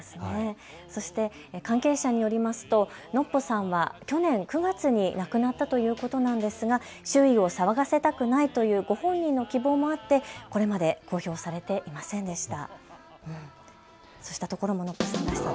そして関係者によりますとノッポさんは去年９月に亡くなったということなんですが周囲を騒がせたくないというご本人の希望もあってこれまで公表されていませんでした。